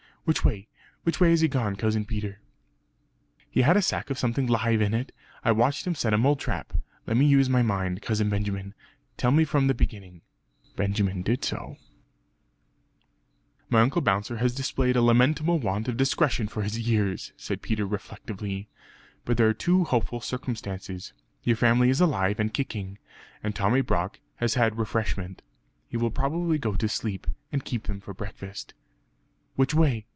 "Which way? which way has he gone, Cousin Peter?" "He had a sack with something 'live in it; I watched him set a mole trap. Let me use my mind, Cousin Benjamin; tell me from the beginning." Benjamin did so. "My Uncle Bouncer has displayed a lamentable want of discretion for his years;" said Peter reflectively, "but there are two hopeful circumstances. Your family is alive and kicking; and Tommy Brock has had refreshment. He will probably go to sleep, and keep them for breakfast." "Which way?"